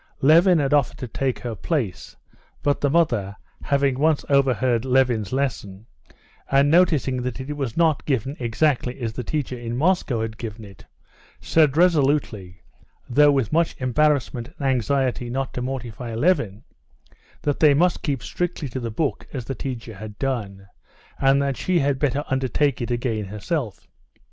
Levin had offered to take her place, but the mother, having once overheard Levin's lesson, and noticing that it was not given exactly as the teacher in Moscow had given it, said resolutely, though with much embarrassment and anxiety not to mortify Levin, that they must keep strictly to the book as the teacher had done, and that she had better undertake it again herself.